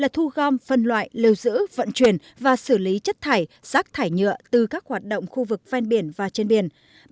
hai thu gom phân loại lưu giữ vận chuyển và xử lý chất thải rác thải nhựa từ các hoạt động khu vực ven biển và trên biển